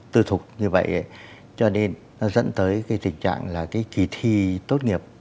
tư thục như vậy cho nên nó dẫn tới cái tình trạng là cái kỳ thi tốt nghiệp